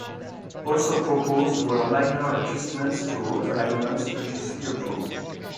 Also proposed were minor adjustments to route alignments previously approved.